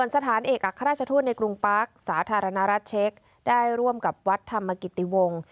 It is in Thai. สถานเอกอัครราชทูตในกรุงปาร์คสาธารณรัฐเช็คได้ร่วมกับวัดธรรมกิติวงศ์